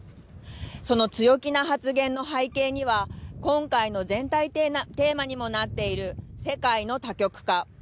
その強気な発言の背景には今回の全体テーマにもなっている世界の多極化。